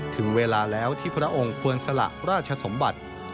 ถึงเวลาแล้วที่พระองค์ควรสละราชสมบัติ